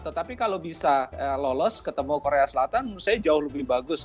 tetapi kalau bisa lolos ketemu korea selatan menurut saya jauh lebih bagus